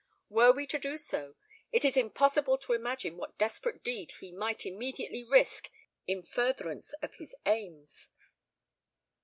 Were we to do so, it is impossible to imagine what desperate deed he might immediately risk in furtherance of his aims."